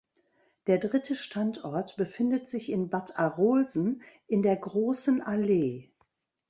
Der dritte Standort befindet sich in Bad Arolsen in der Großen Allee.